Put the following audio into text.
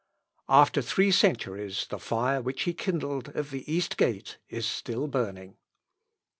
After three centuries the fire which he kindled at the East gate is still burning.